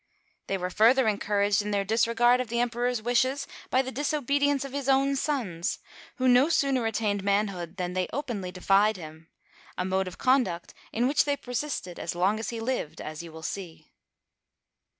They were further encouraged in their disregard of the Emperor's wishes by the disobedience of his own sons, who no sooner attained manhood than they openly defied him, a mode of conduct in which they persisted as long as he lived, as you will see.